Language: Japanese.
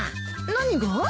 何が？